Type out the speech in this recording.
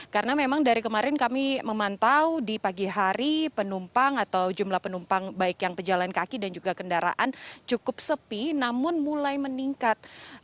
karena memang dari kemarin kami memantau di pagi hari penumpang atau jumlah penumpang baik yang pejalan kaki dan juga kendaraan cukup sepi namun mulai meningkat